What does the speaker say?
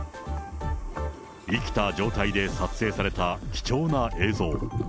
生きた状態で撮影された貴重な映像。